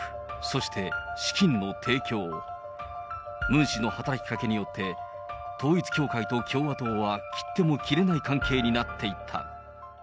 ムン氏の働きかけによって、統一教会と共和党は切っても切れない関係になっていった。